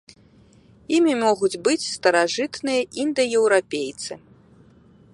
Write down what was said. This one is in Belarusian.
Імі могуць быць старажытныя індаеўрапейцы.